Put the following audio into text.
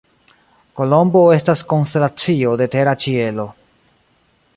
Kolombo estas konstelacio de tera ĉielo.